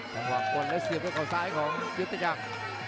อื้อฮือจังหวังกดแล้วเสียบที่เขาซ้ายของจิ๊ดอีกอย่าง